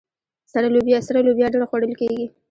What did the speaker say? سره لوبیا ډیره خوړل کیږي.